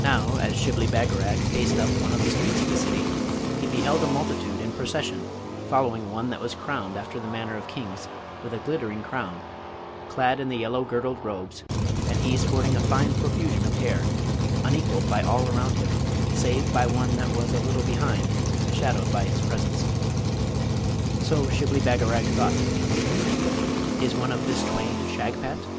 Now as Shibli Bagarag paced up one of the streets of the city, he beheld a multitude in procession following one that was crowned after the manner of kings, with a glittering crown, clad in the yellow girdled robes, and he sporting a fine profusion of hair, unequalled by all around him, save by one that was a little behind, shadowed by his presence. So Shibli Bagarag thought, 'Is one of this twain Shagpat?